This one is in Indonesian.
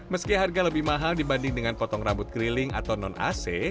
meski harga lebih mahal dibanding dengan potong rambut keliling atau non ac